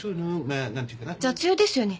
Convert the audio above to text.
雑用ですよね？